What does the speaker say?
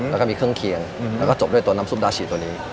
แล้วก็มีเครื่องเคียงแล้วก็จบด้วยตัวน้ำซุปดาฉีดตัวนี้